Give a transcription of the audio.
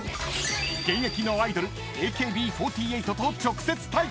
［現役のアイドル「ＡＫＢ４８」と直接対決！］